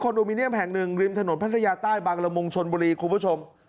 โมเนียมแห่งหนึ่งริมถนนพัทยาใต้บางละมุงชนบุรีคุณผู้ชม